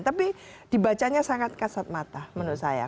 tapi dibacanya sangat kasat mata menurut saya